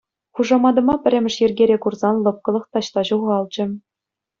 Хушаматӑма пӗрремӗш йӗркере курсан лӑпкӑлӑх таҫта ҫухалчӗ.